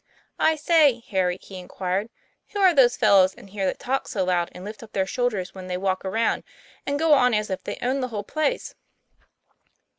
' I say, Harry, " he inquired, " who are those fellows in here that talk so loud, and lift up their shoulders when they walk around, and go on as if they owned the whole place?"